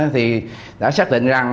thì đã xác định rằng